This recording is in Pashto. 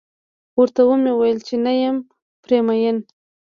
ورته و مې ويل چې نه یم پرې مين.